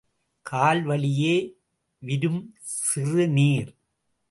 கால்வழியே விரும் சிறுநீர்.